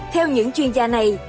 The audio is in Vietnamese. theo những chuyên gia này